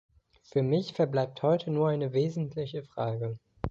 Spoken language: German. Für mich verbleibt heute nur eine wesentliche Frage.